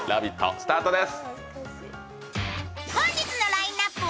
スタートです。